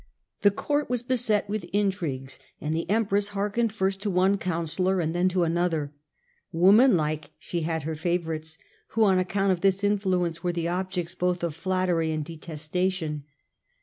The court was beset with intrigues, and the empress hearkened first to one counsellor and then to another. Woman like she \ had her favourites, who, on account of this influence, were the objects both of flattery and detestation.